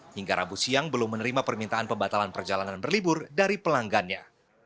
hingga rabu siang belum menerima permintaan pembatalan perjalanan berlibur dari pelanggannya